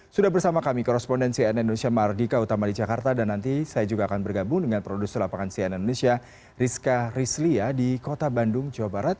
sudah bersama kami korespondensi nn indonesia mardika utama di jakarta dan nanti saya juga akan bergabung dengan produser lapangan cnn indonesia rizka rizlia di kota bandung jawa barat